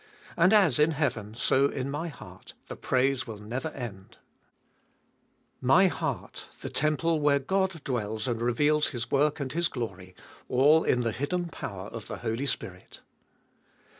And as in heaven, so in my heart, the praise will never end. 2. My heart, the temple where God dwells and reveals His work and His glory; all in the hidden power of the Holy Spirit.